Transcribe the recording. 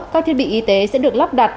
các thiết bị y tế sẽ được lắp đặt